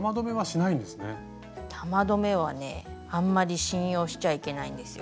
玉留めはねあんまり信用しちゃいけないんですよ。